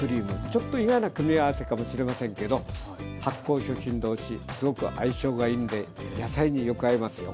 ちょっと意外な組み合わせかもしれませんけど発酵食品同士すごく相性がいいんで野菜によく合いますよ。